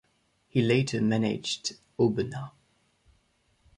He later managed Aubenas.